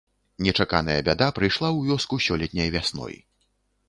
Нечаканая бяда прыйшла ў вёску сёлетняй вясной.